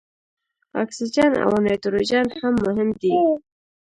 اکسیجن او نایتروجن هم مهم دي.